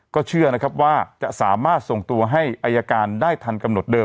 ก็เชื่อนะครับว่าจะสามารถส่งตัวให้อายการได้ทันกำหนดเดิ